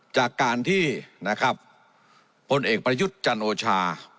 จากการที่นะครับพลเอกประยุทธ์จันโอชา